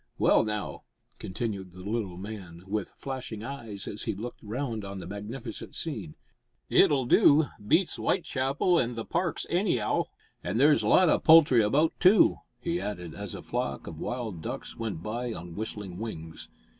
Well, now," continued the little man, with flashing eyes, as he looked round on the magnificent scene, "it'll do. Beats W'itechapel an' the Parks any 'ow. An' there's lots o' poultry about, too!" he added, as a flock of wild ducks went by on whistling wings.